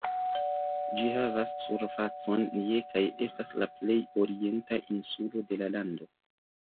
Ĝi havas surfacon je kaj estas la plej orienta insulo de la lando.